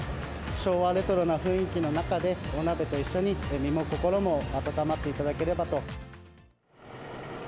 昭和レトロな雰囲気の中で、お鍋と一緒に、身も心も温まっていただければと。